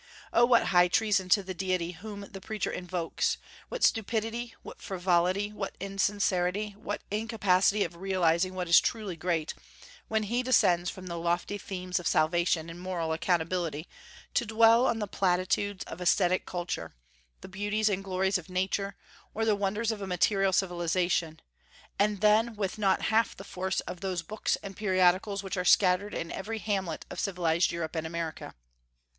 Oh, what high treason to the deity whom the preacher invokes, what stupidity, what frivolity, what insincerity, what incapacity of realizing what is truly great, when he descends from the lofty themes of salvation and moral accountability, to dwell on the platitudes of aesthetic culture, the beauties and glories of Nature, or the wonders of a material civilization, and then with not half the force of those books and periodicals which are scattered in every hamlet of civilized Europe and America!